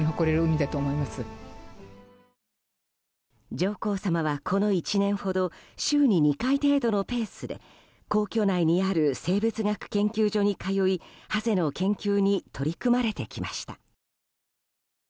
上皇さまはこの１年ほど週に２回程度のペースで皇居内にある生物学研究所に通いハゼの研究に取り組まれてきました。